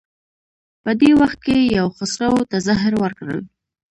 په دې وخت کې یې خسرو ته زهر ورکړل.